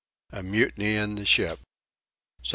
A Mutiny in the Ship. 1789.